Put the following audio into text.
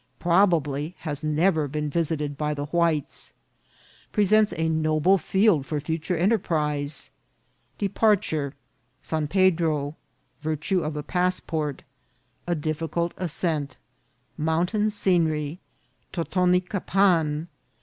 — Probably has never been visited by the Whites. — Presents a noble Field for future Enterprise. — Depar ture.— San Pedro.— Virtue of a Passport. — A difficult Ascent. — Mountain Scenery. — Totonicapan.